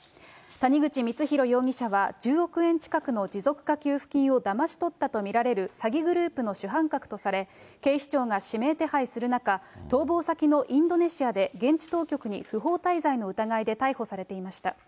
谷口光弘容疑者は、１０億円近くの持続化給付金をだまし取ったと見られる詐欺グループの主犯格とされ、警視庁が指名手配する中、逃亡先のインドネシアで現地当局に不法滞在の疑いで逮捕されていました。